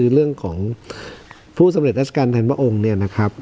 เรื่องของผู้สำเร็จทัศกรรมทัพมองค์